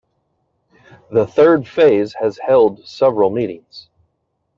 The third phase has held several meetings.